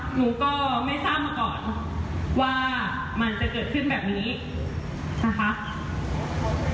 หนูก็ไม่ทราบมาก่อนว่ามันจะเกิดขึ้นแบบนี้นะคะ